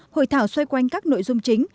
hội thảo xoay quanh các nội dung chính